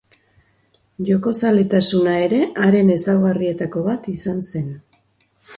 Jokozaletasuna ere haren ezaugarrietako bat izan zen.